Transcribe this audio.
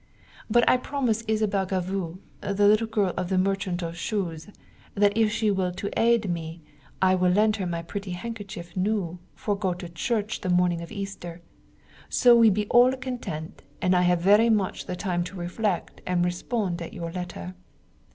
But I promise Isabelle Gaveau, the little girl of the merchant of shoes, that if she will to aid me, I will lend her my pretty handkerchief new, for go to church the morning of Easter. So we be all content and I have very much the time to reflect and respond at your letter.